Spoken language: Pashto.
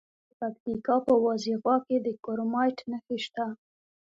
د پکتیکا په وازیخوا کې د کرومایټ نښې شته.